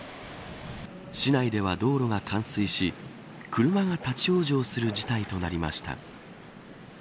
市内では、道路が冠水し車が立ち往生する事態となりました。